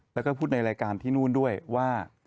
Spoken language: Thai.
แล้วก็พูดในรายการที่นู่นด้วยว่า